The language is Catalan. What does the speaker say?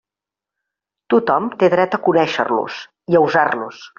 Tothom té dret a conéixer-los i a usar-los.